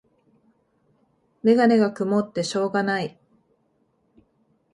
メガネがくもってしょうがない